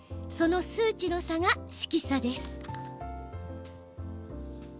その数値の差が色差です。